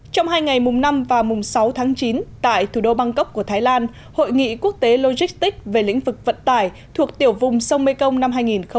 trong hai ngày mùng năm và mùng sáu tháng chín tại thủ đô bangkok của thái lan hội nghị quốc tế logistics về lĩnh vực vận tải thuộc tiểu vùng sông mekong năm hai nghìn một mươi chín